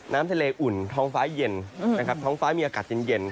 น้ำทะเลอุ่นท้องฟ้าเย็นนะครับท้องฟ้ามีอากาศเย็น